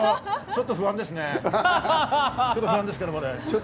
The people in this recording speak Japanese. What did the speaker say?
阿部さん、ちょっと不安ですね。